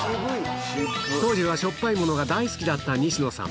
当時はしょっぱいものが大好きだった西野さん。